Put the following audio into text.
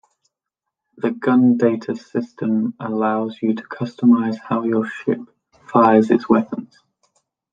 The Gun Data system allows you to customize how your ship fires its weapons.